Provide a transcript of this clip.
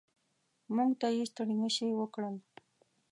موږ ته یې ستړي مه شي وکړل.